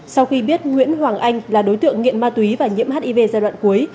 sau khi biết nguyễn hoàng anh là đối tượng nghiện ma túy và nhiễm hiv giai đoạn cuối